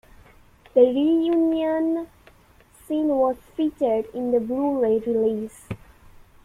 The reunion scene was featured in the Blu-ray release.